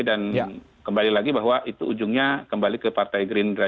dan kembali lagi bahwa itu ujungnya kembali ke partai gerindra